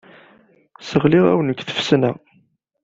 Sseɣliɣ-awen deg tfesna.